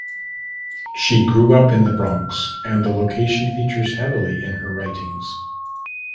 She grew up in the Bronx and the location features heavily in her writings.